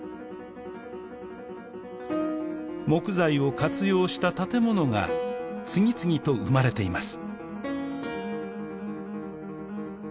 木材を活用した建物が次々と生まれています